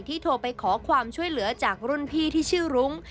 โทรไปขอความช่วยเหลือจากรุ่นพี่ที่ชื่อรุ้ง